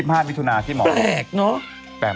ไม่มีทาง